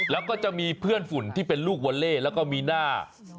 แล้วก็จะมีเพื่อนฝุ่นที่เป็นลูกวอเล่แล้วก็มีหน้า